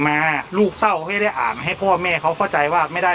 มาลูกเต้าให้ได้อ่านให้พ่อแม่เขาเข้าใจว่าไม่ได้